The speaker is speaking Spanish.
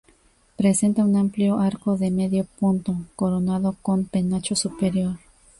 Presenta un amplio arco de medio punto coronado con penacho superior.